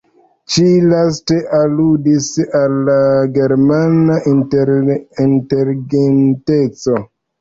Ĉi-lasta aludis al la germana inteligenteco.